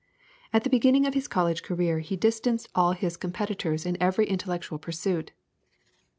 At the beginning of his college career he distanced all his competitors in every intellectual pursuit.